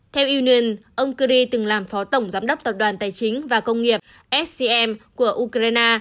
theo union ông kurri từng làm phó tổng giám đốc tập đoàn tài chính và công nghiệp scm của ukraine